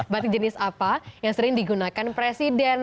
batik jenis apa yang sering digunakan presiden